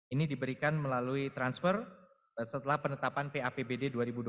ini diberikan melalui transfer setelah penetapan papbd dua ribu dua puluh